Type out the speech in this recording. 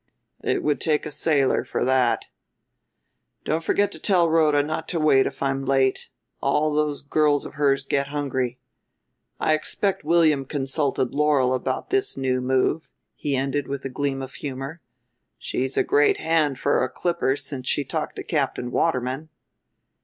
It would take a sailor for that. Don't forget to tell Rhoda not to wait if I'm late. All those girls of hers get hungry. I expect William consulted Laurel about this new move," he ended with a gleam of humor. "She's a great hand for a clipper since she talked to Captain Waterman."